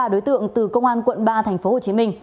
ba đối tượng từ công an quận ba tp hcm